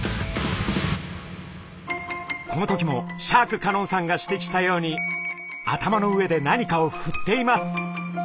この時もシャーク香音さんが指摘したように頭の上で何かをふっています。